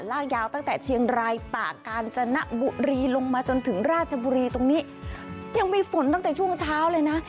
ลากยาวตั้งแต่เชียงรายตากาญจนบุรีลงมาจนถึงราชบุรีตรงนี้ยังมีฝนตั้งแต่ช่วงเช้าเลยนะ